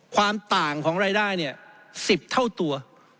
ความต่างของรายได้๑๐เท่าตัว